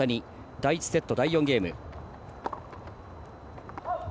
第１セット、第４ゲーム。